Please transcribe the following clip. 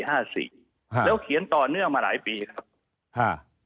แล้วเขียนต่อเนื่องมาหลายปีครับ